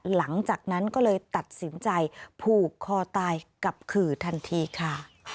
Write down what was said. หลังจากนั้นก็เลยตัดสินใจผูกคอตายกับขื่อทันทีค่ะ